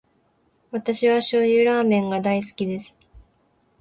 私は醤油ラーメンが大好きです。